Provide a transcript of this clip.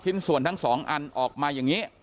ชิ้นส่วนทั้ง๒อันออกมาอย่างนี้